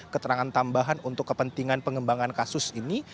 keterangan tambahan untuk kepentingan pengembangan kasus ini